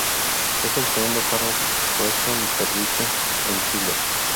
Es el segundo faro puesto en servicio en Chile.